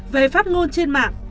về phát ngôn trên mạng